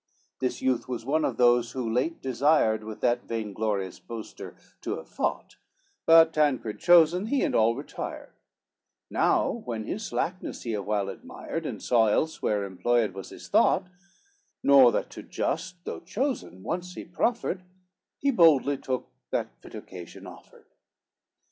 XXIX This youth was one of those, who late desired With that vain glorious boaster to have fought, But Tancred chosen, he and all retired; Now when his slackness he awhile admired, And saw elsewhere employed was his thought, Nor that to just, though chosen, once he proffered, He boldly took that fit occasion offered.